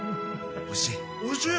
おいしい？